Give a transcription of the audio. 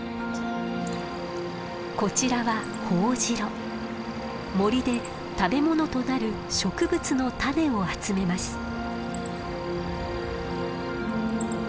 こちらは森で食べ物となる植物の種を集めます。